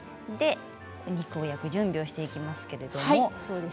お肉を焼く準備をしていきますけれども。